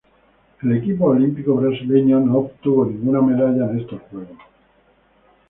El equipo olímpico brasileño no obtuvo ninguna medalla en estos Juegos.